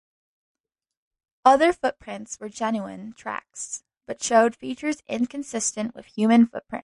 Other footprints were genuine tracks, but showed features inconsistent with human footprints.